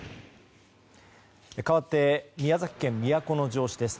かわって宮崎県都城市です。